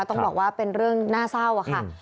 ต้องบอกว่าเป็นเรื่องน่าเศร้าค่ะ